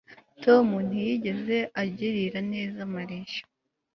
Tom ntiyigeze agirira neza Mariya